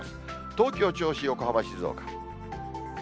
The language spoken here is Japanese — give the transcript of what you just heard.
東京、銚子、横浜、静岡。